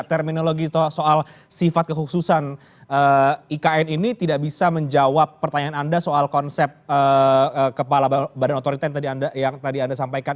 terminologi soal sifat kehususan ikn ini tidak bisa menjawab pertanyaan anda soal konsep kepala badan otorita yang tadi anda sampaikan